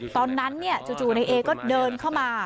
ตอนนั้นเนี่ยจู่นายเอก็เดินเข้ามา